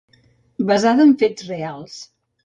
Basada en fets reals.